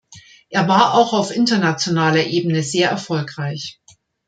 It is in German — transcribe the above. Er war auch auf internationaler Ebene sehr erfolgreich.